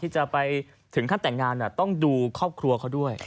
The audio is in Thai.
ที่จะไปถึงขั้นแต่งงานต้องดูครอบครัวเขาด้วย